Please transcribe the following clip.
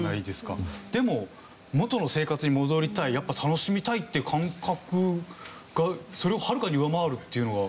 でも元の生活に戻りたいやっぱ楽しみたいっていう感覚がそれをはるかに上回るっていうのは。